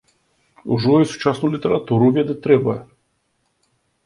Ужо і сучасную літаратуру ведаць трэба.